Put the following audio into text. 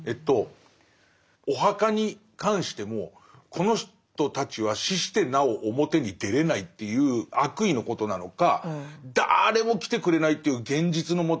お墓に関してもこの人たちは死してなお表に出れないっていう悪意のことなのか誰も来てくれないという現実のもと